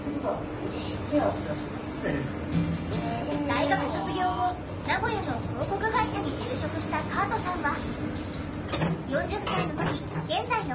大学卒業後名古屋の広告会社に就職したカートさんは。